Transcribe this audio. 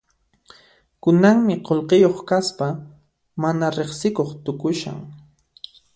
Kunanmi qullqiyuq kaspa mana riqsikuq tukushan.